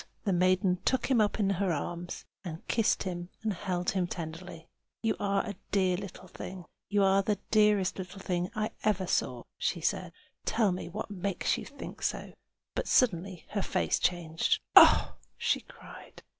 The maiden took him up in her arms and kissed him, and held him tenderly. "You are the dearest little thing I ever saw!" she said. "Tell me what makes you think so!" But suddenly her face changed. "Oh!" she cried.